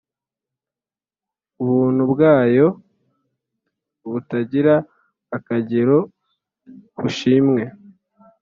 ubuntu bwayo butagira akagero bushimwe,